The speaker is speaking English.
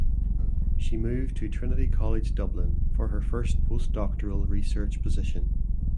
She moved to Trinity College Dublin for her first postdoctoral research position.